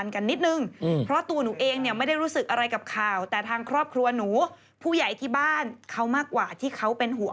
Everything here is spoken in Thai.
เขาก็บอกเลยว่า